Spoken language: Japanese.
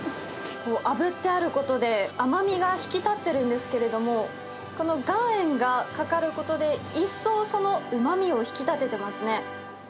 あぶってあることで、甘みが引き立ってるんですけども、この岩塩がかかることで、一層そのうまみを引き立ててますね。